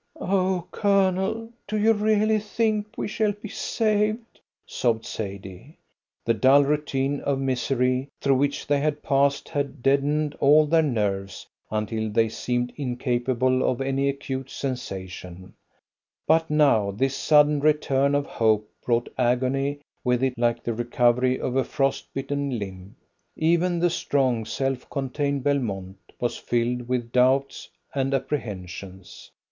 "O Colonel, do you really think we shall be saved?" sobbed Sadie. The dull routine of misery through which they had passed had deadened all their nerves until they seemed incapable of any acute sensation, but now this sudden return of hope brought agony with it like the recovery of a frost bitten limb. Even the strong, self contained Belmont was filled with doubts and apprehensions.